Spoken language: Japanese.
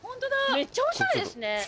めっちゃおしゃれですね。